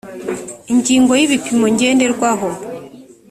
ingingo ya ibipimo ngenderwaho